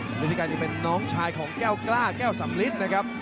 ฤทธิการนี่เป็นน้องชายของแก้วกล้าแก้วสำลิดนะครับ